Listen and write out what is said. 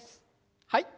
はい。